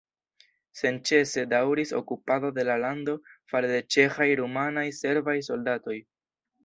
Senĉese daŭris okupado de la lando fare de ĉeĥaj, rumanaj, serbaj soldatoj.